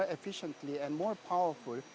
lebih efisien dan lebih kuat